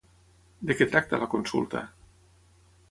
De què tracta la consulta?